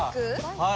はい。